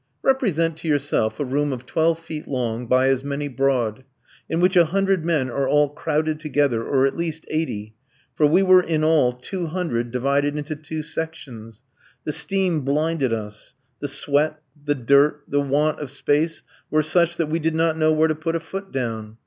Represent to yourself a room of twelve feet long by as many broad, in which a hundred men are all crowded together, or at least eighty, for we were in all two hundred divided into two sections. The steam blinded us; the sweat, the dirt, the want of space, were such that we did not know where to put a foot down.